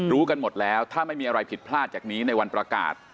กันหมดแล้วถ้าไม่มีอะไรผิดพลาดจากนี้ในวันประกาศ